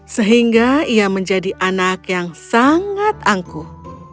sehingga ia menjadi anak yang sangat angkuh